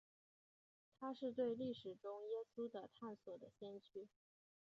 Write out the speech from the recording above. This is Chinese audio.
他是对历史中耶稣的探索的先驱。